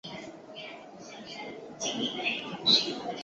至中世纪以后广泛传遍世界。